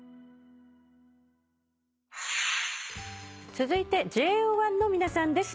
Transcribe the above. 続いてＪＯ１の皆さんです。